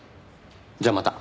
じゃあまた。